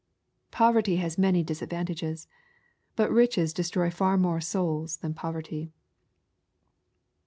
Poverty has xnany disadvantages. But riches destroy far more souls than poverty.